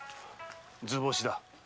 図星だ。